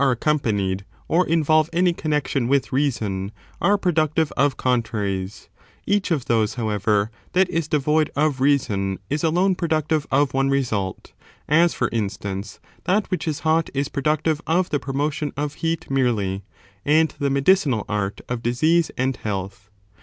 229 accompanied, or involve any connexion with reason, are pro ductive of contraries ; each of those, however, that is devoid of reason is alone productive of one result : as, for instance, that which is hot is productive of the promotion of heat merely, and the medicinal art of disease and health.